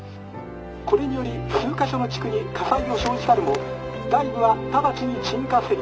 これにより数か所の地区に火災を生じたるも大部は直ちに鎮火せり。